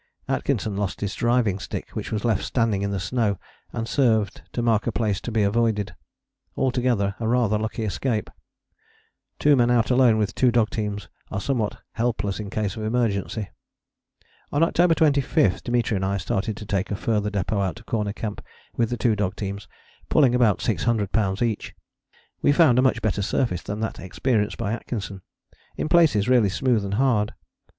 Atkinson lost his driving stick, which was left standing in the snow and served to mark a place to be avoided. Altogether a rather lucky escape: two men out alone with two dog teams are somewhat helpless in case of emergency. On October 25 Dimitri and I started to take a further depôt out to Corner Camp with the two dog teams, pulling about 600 lbs. each. We found a much better surface than that experienced by Atkinson; in places really smooth and hard.